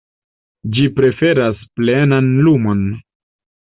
Ĝi preferas plenan lumon.